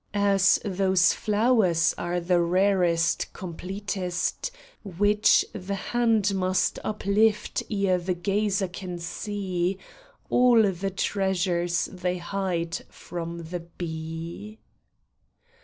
As those flowers are the rarest, completest. Which the hand must uplift ere the gazer can see All the treasures they hide from the bee.